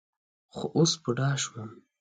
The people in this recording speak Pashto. خو اوس بوډا شوم.